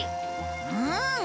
うん！